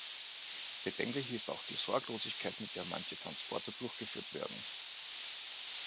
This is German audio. Bedenklich ist auch die Sorglosigkeit, mit der manche Transporte durchgeführt werden.